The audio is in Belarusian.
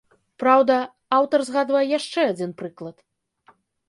Праўда, аўтар згадвае яшчэ адзін прыклад.